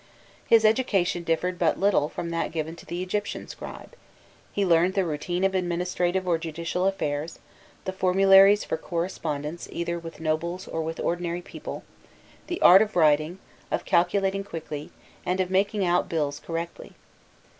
His education differed but little from that given to the Egyptian scribe; he learned the routine of administrative or judicial affairs, the formularies for correspondence either with nobles or with ordinary people, the art of writing, of calculating quickly, and of making out bills correctly.